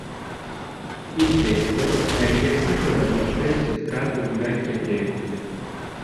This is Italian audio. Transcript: Il tetto, è rivestito da uno spesso strato di vecchie tegole.